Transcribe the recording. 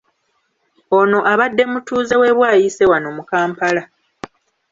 Ono abadde mutuuze w’e Bwaise wano mu Kampala.